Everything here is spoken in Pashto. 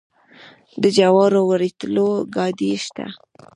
د جوارو د وریتولو ګاډۍ شته.